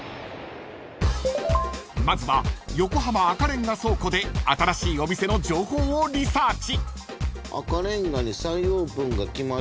［まずは横浜赤レンガ倉庫で新しいお店の情報をリサーチ］